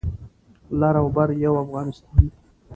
لر او بر یو افغانستان